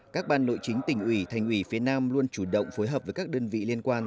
các ban nội chính tỉnh ủy thành ủy phía nam luôn chủ động phối hợp với các đơn vị liên quan